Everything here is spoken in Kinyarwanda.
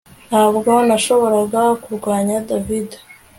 Ntabwo nashoboraga kurwanya David